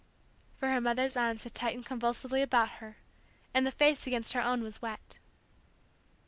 For her mother's arms had tightened convulsively about her, and the face against her own was wet.